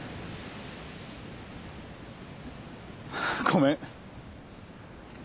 ごめん。